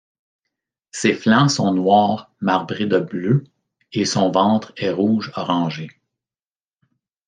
Ses flancs sont noirs marbrés de bleu et son ventre est rouge orangé.